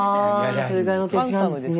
それぐらいのお年なんですね。